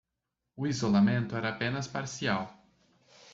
O isolamento era apenas parcial